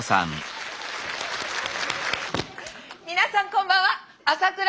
皆さんこんばんは浅倉